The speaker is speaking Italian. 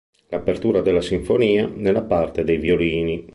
L'apertura della sinfonia nella parte dei violini.